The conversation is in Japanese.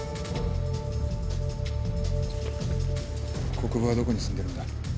国府はどこに住んでるんだ？